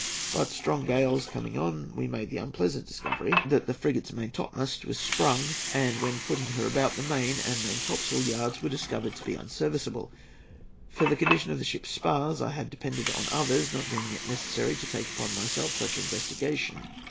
But, strong gales coming on, we made the unpleasant discovery that the frigate's main topmast was sprung, and, when putting her about, the main and main topsail yards were discovered to be unserviceable. For the condition of the ship's spars I had depended on others, not deeming it necessary to take upon myself such investigation.